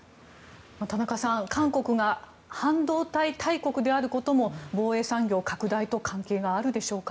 田中さん韓国が半導体大国であることも防衛産業拡大と関係があるでしょうか。